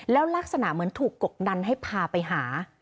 แล้วลักษณะเหมือนถูกกดดันให้พาไปหา